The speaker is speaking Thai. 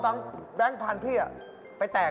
ทำแบงค์พันธุ์ของกูแตก